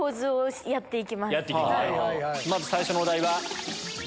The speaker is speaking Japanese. まず最初のお題。